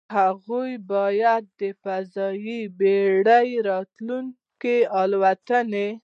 هغې باید د فضايي بېړۍ راتلونکې الوتنې